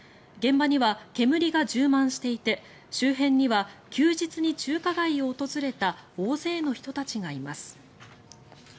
現場には煙が充満していて周辺には休日に中華街を訪れた大勢の人たちがいます。